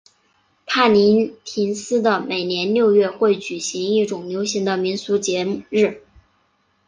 帕林廷斯的每年六月会举行一种流行的民俗节日。